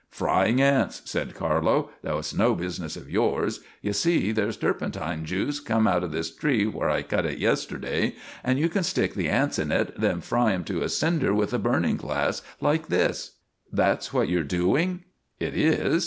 "Frying ants," said Carlo, "though it's no business of yours. You see, there's turpentine juice come out of this tree where I cut it yesterday, and you can stick the ants in it, then fry them to a cinder with a burning glass, like this." "That's what you're doing?" "It is."